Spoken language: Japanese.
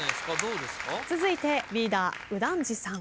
続いてリーダー右團次さん。